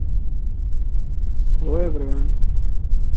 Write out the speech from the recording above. All loxodromes spiral from one pole to the other.